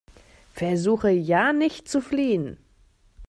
Versuche ja nicht zu fliehen!